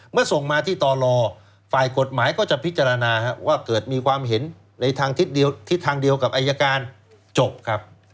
เมื่อส่งมาที่ต่อรอฝ่ายกฎหมายก็จะพิจารณาว่าเกิดมีความเห็นในทางทิศทางเดียวกับอายการจบครับ